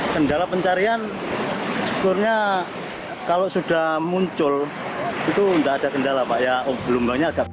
kendala pencarian sebetulnya kalau sudah muncul itu tidak ada kendala pak ya belum banyak